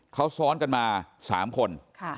เขาซ้อนกันมา๓คน